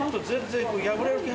全然。